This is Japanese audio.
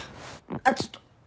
あっちょっと。